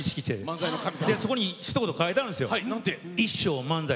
そこにひと言かいてあるんですよ。